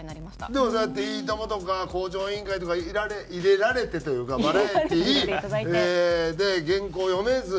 でもそうやって『いいとも！』とか『向上委員会』とか入れられてというかバラエティー。で原稿読めず。